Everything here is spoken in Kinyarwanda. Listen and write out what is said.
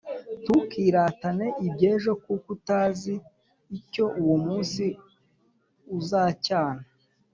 ntukiratane iby’ejo, kuko utazi icyo uwo munsi uzacyana